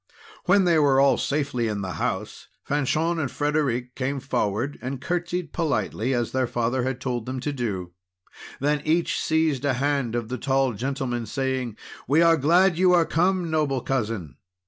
When they were all safely in the house, Fanchon and Frederic came forward and curtsied politely, as their father had told them to do. Then each seized a hand of the tall gentleman, saying: "We are glad you are come, noble Cousin!"